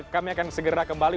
kami akan segera kembali